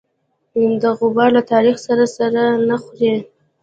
د غبار له تاریخ سره سر نه خوري.